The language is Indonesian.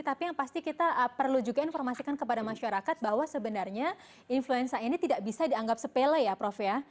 tapi yang pasti kita perlu juga informasikan kepada masyarakat bahwa sebenarnya influenza ini tidak bisa dianggap sepele ya prof ya